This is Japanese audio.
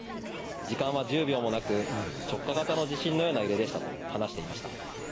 時間は１０秒もなく直下型の地震のような揺れでしたと話していました。